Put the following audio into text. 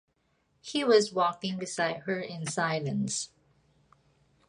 He was walking beside her in silence.